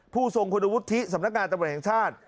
ทรงคุณวุฒิสำนักงานตำรวจแห่งชาติ